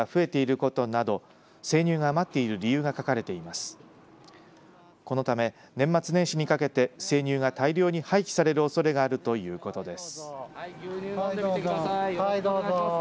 このため、年末年始にかけて生乳が大量に廃棄されるおそれがあるということです。